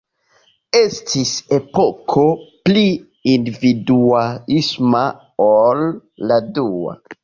Estis epoko pli individuisma ol la dua.